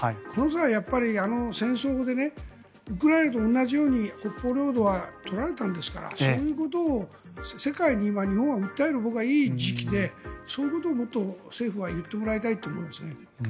この際、戦争でウクライナと同じように北方領土は取られたんですからそういうことを世界に今、日本は訴える僕はいい時期でそういうことをもっと政府は言ってもらいたいと思いますね。